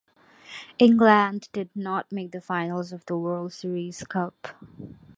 England did not make the finals of the World Series Cup.